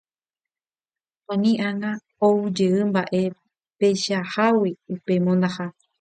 Ani anga oujeýmba'e peichahágui upe mondaha.